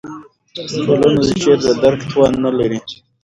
ټولنه د شعر د درک توان نه لري.